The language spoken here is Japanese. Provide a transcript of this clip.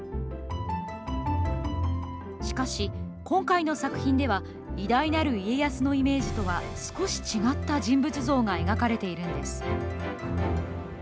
しかし、今回の作品では、偉大なる家康のイメージとは、少し違った人物像が描かれているんです。